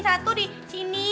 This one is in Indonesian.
satu di sini